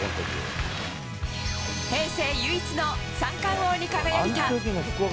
平成唯一の三冠王に輝いた。